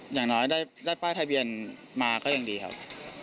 อย่างน้อยได้ป้ายทะเบียนมาก็ยังดีครับ